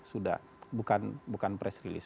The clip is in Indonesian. sudah bukan press release